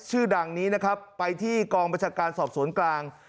ชื่อดังนี้นะครับไปที่กองประชาการสอบสวนกลาง